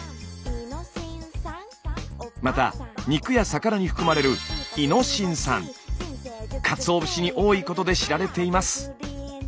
また肉や魚に含まれるかつお節に多いことで知られています。